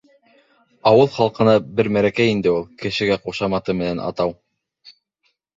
— Ауыл халҡына бер мәрәкә инде ул, кешегә ҡушаматы менән атау.